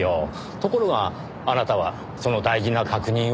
ところがあなたはその大事な確認をしなかった。